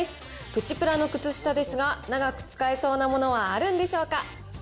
プチプラの靴下ですが、長く使えそうなものはあるんでしょうか。